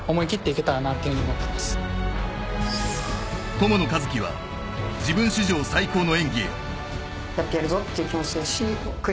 友野一希は自分史上最高の演技へ。